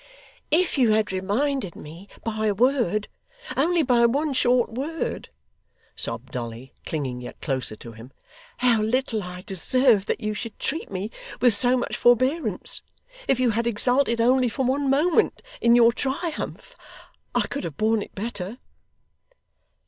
'If you had reminded me by a word only by one short word,' sobbed Dolly, clinging yet closer to him, 'how little I deserved that you should treat me with so much forbearance; if you had exulted only for one moment in your triumph, I could have borne it better.